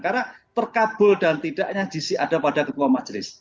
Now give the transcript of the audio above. karena terkabul dan tidaknya gc ada pada ketua majelis